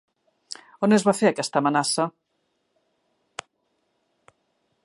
On es va fer aquesta amenaça?